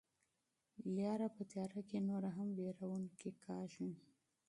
لاره په تیاره کې نوره هم وېروونکې کیږي.